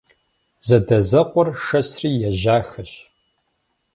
Задэзэкъуэр шэсри ежьахэщ.